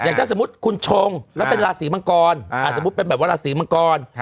ถ้าสมมุติคุณชงแล้วเป็นราศีมังกรสมมุติเป็นแบบว่าราศีมังกร